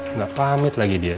nggak pamit lagi dia